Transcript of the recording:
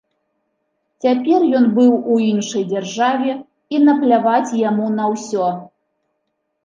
Цяпер ён быў у іншай дзяржаве і напляваць яму на ўсё.